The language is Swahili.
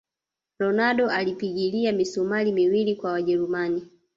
ronaldo alipigilia misumali miwili kwa wajerumani